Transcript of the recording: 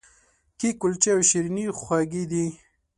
کیک، کلچې او شیریني خوږې دي.